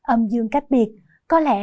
âm dương cách biệt có lẽ